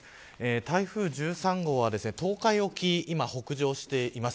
台風１３号は東海沖を今、北上しています。